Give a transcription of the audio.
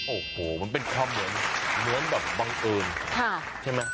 โอ้โหมันเป็นความเหมือนแบบบังเอิญใช่ไหม